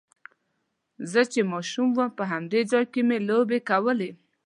زه چې ماشوم وم په همدې ځای کې مې لوبې کولې.